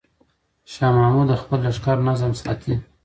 شاه محمود د خپل لښکر نظم ساتي.